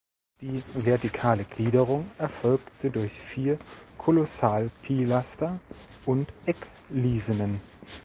Die vertikale Gliederung erfolgte durch vier Kolossalpilaster und Ecklisenen.